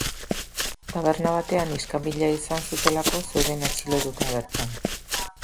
Taberna batean iskanbila izan zutelako zeuden atxilotuta bertan.